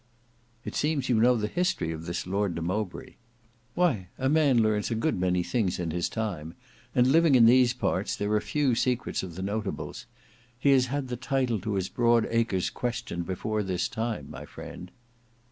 "It seems you know the history of this Lord de Mowbray?" "Why a man learns a good many things in his time; and living in these parts, there are few secrets of the notables. He has had the title to his broad acres questioned before this time, my friend."